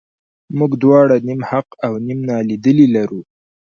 موږ دواړه نیم حق او نیم نالیدلي لرو.